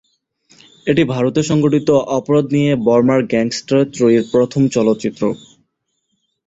এটি ভারতে সংগঠিত অপরাধ নিয়ে বর্মার গ্যাংস্টার ত্রয়ীর প্রথম চলচ্চিত্র।